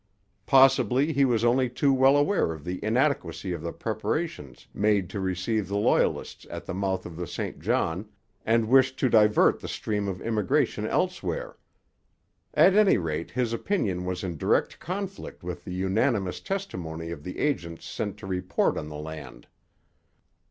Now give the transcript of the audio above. Possibly he was only too well aware of the inadequacy of the preparations made to receive the Loyalists at the mouth of the St John, and wished to divert the stream of immigration elsewhere. At any rate his opinion was in direct conflict with the unanimous testimony of the agents sent to report on the land.